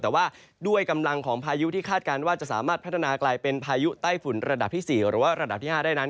แต่ว่าด้วยกำลังของพายุที่คาดการณ์ว่าจะสามารถพัฒนากลายเป็นพายุไต้ฝุ่นระดับที่๔หรือว่าระดับที่๕ได้นั้น